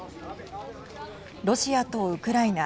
ロシアとウクライナ